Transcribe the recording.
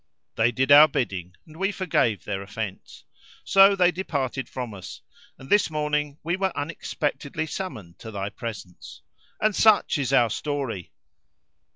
They did our bidding and we forgave their offence; so they departed from us and this morning we were unexpectedly summoned to thy presence. And such is our story!